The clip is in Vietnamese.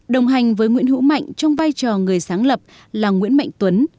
đồng hành với nguyễn hữu mạnh trong vai trò người sáng lập là nguyễn mạnh tuấn